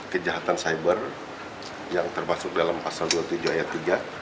kejahatan cyber yang termasuk dalam pasal dua puluh tujuh ayat tiga